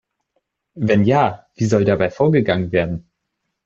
Wenn ja, wie soll dabei vorgegangen werden?